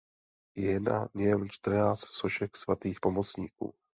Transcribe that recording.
Je na něm čtrnáct sošek svatých pomocníků.